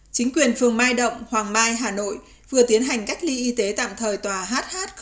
chính quyền phường mai động hoàng mai hà nội vừa tiến hành cách ly y tế tạm thời tòa hh